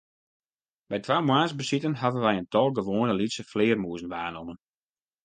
By twa moarnsbesiten hawwe wy in tal gewoane lytse flearmûzen waarnommen.